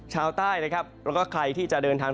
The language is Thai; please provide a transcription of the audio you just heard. ชาวใต้นะครับแล้วก็ใครที่จะเดินทาง